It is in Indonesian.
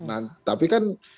nah tapi kan